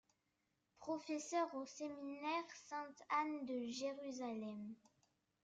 Professeur au séminaire Sainte Anne de Jérusalem.